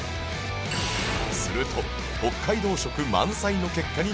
すると北海道色満載の結果になった